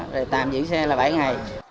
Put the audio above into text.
rồi tạm giữ xe là bảy ngày